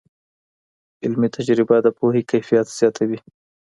علمي تجربه د پوهې کیفیت زیاتوي.